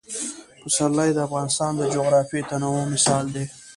پسرلی د افغانستان د جغرافیوي تنوع مثال دی.